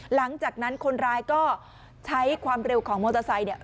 หลังจากนั้นคนร้ายก็ใช้ความเร็วของมอเตอร์ไซค์เนี่ย